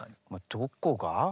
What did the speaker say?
どこが？